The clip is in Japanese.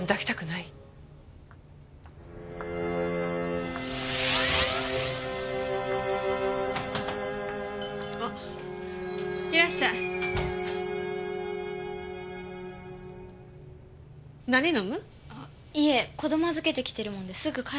いえ子供預けてきてるもんですぐ帰らないと。